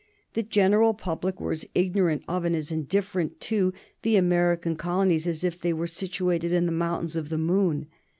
The general public were as ignorant of and as indifferent to the American colonies as if they were situated in the mountains of the moon.